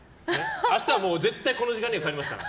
明日は絶対この時間には帰りますから。